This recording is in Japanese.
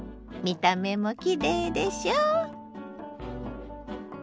見た目もきれいでしょ。